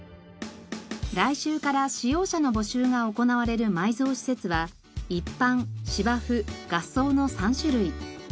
来週から使用者の募集が行われる埋蔵施設は一般芝生合葬の３種類。